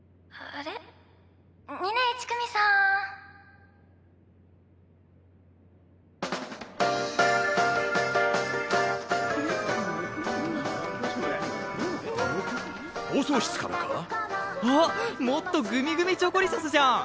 あっ「もっとグミグミチョコリシャス」じゃん。